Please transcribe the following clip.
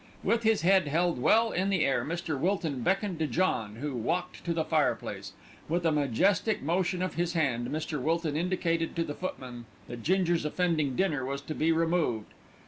With his head held well in the air Mr. Wilton beckoned to John, who walked to the fireplace. With a majestic motion of his hand Mr. Wilton indicated to the footman that Ginger's offending dinner was to be removed.